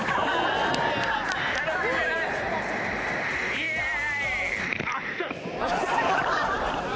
イエーイ！